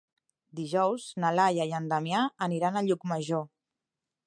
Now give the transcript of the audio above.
Dijous na Laia i en Damià aniran a Llucmajor.